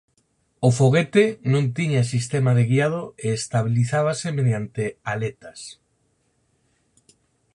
O foguete non tiña sistema de guiado e estabilizábase mediante aletas.